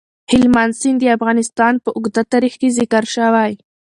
هلمند سیند د افغانستان په اوږده تاریخ کې ذکر شوی.